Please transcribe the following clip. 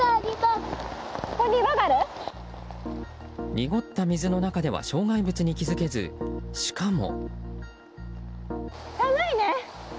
濁った水の中では障害物に気付けず、しかも。